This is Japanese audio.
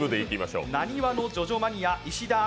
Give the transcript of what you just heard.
なにわのジョジョマニア石田明